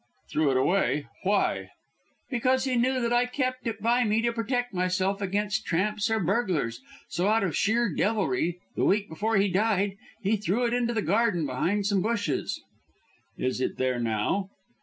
"Threw it away? Why?" "Because he knew that I kept it by me to protect myself against tramps or burglars, so, out of sheer devilry, the week before he died, he threw it into the garden behind some bushes." "Is it there now?"